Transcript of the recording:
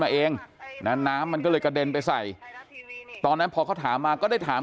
เองนะน้ำมันก็เลยกระเด็นไปใส่ตอนนั้นพอเขาถามมาก็ได้ถาม